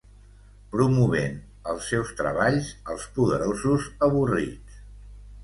Promovent els seus treballs als poderosos avorrits.